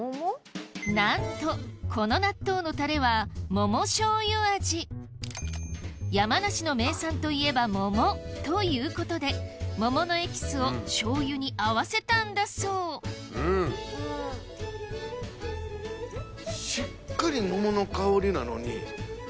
何とこの納豆のタレは山梨の名産といえば桃！ということで桃のエキスを醤油に合わせたんだそうなんか知らんけど。